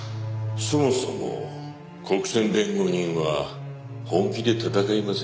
そもそも国選弁護人は本気で戦いませんよ。